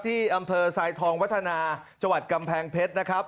ที่อำเภอสายทองวัฒนาจังหวัดกำแพงเพชร